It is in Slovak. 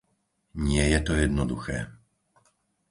Nie je to jednoduché.